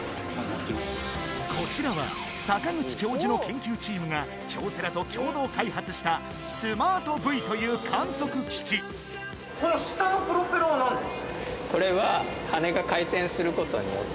こちらは坂口教授の研究チームが京セラと共同開発したスマートブイという観測機器ためのプロペラになってます